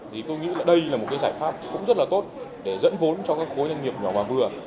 thì tôi nghĩ là đây là một cái giải pháp cũng rất là tốt để dẫn vốn cho các khối doanh nghiệp nhỏ và vừa